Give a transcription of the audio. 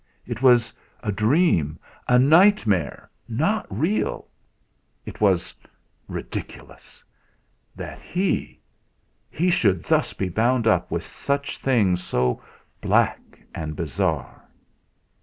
It was a dream, a nightmare not real! It was ridiculous! That he he should thus be bound up with things so black and bizarre!